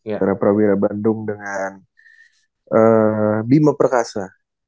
antara prawira bandung dengan bima perkasa